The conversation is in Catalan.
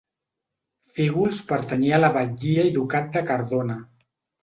Fígols pertanyia a la batllia i Ducat de Cardona.